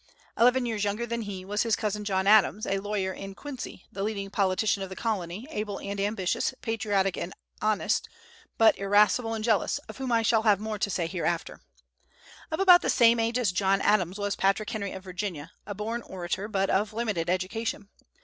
Eleven years younger than he, was his cousin John Adams, a lawyer in Quincy, the leading politician of the colony, able and ambitious, patriotic and honest, but irascible and jealous, of whom I shall have more to say hereafter. Of about the same age as John Adams was Patrick Henry, of Virginia, a born orator, but of limited education.